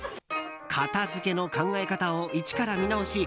片付けの考え方を一から見直し